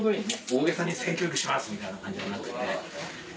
大げさに「性教育します」みたいな感じじゃなくて。